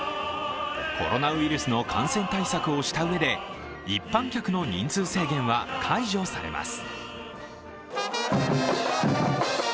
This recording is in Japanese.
コロナウイルスの感染対策をしたうえで一般客の人数制限は解除されます。